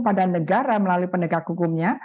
pada negara melalui penegak hukumnya